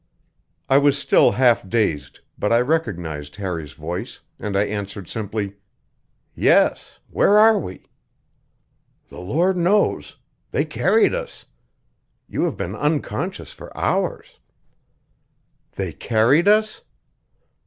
I was still half dazed, but I recognized Harry's voice, and I answered simply: "Yes. Where are we?" "The Lord knows! They carried us. You have been unconscious for hours." "They carried us?"